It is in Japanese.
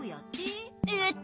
えっと。